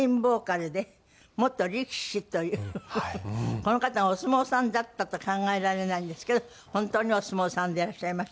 この方がお相撲さんだったと考えられないんですけど本当にお相撲さんでいらっしゃいました。